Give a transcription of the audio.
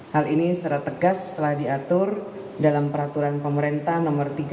hal ini secara tegas telah diatur dalam peraturan pemerintah nomor tiga